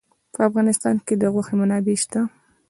په افغانستان کې د غوښې منابع شته.